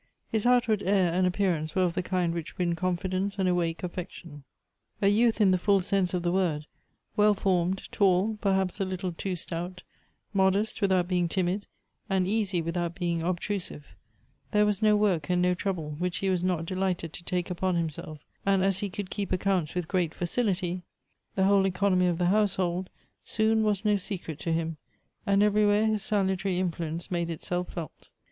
His outward air and appear ance were of the kind which win confidence and awake affection. A youth in the full sense of the word, well formed, tall, perhaps a little too stout ; modest without being timid, and easy without being obtrusive, there was no work and no trouble which he was not delighted to take upon himself; and as he could keep accounts with great facility, the whole economy of the household soon 7* 154 Goethe's was no secret to him, and everywhere his salutary influ ence made itself felt.